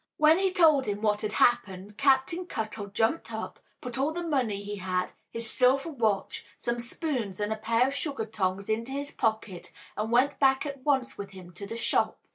When he told him what had happened, Captain Cuttle jumped up, put all the money he had, his silver watch, some spoons and a pair of sugar tongs into his pocket and went back at once with him to the shop.